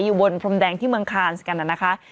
อยู่บนพรมแดงที่เมืองคานสกันนะคะ